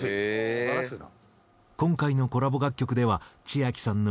素晴らしいな。